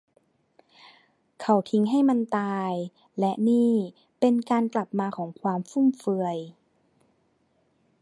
เขาทิ้งให้มันตาย และนี่เป็นการกลับมาของความฟุ่มเฟือย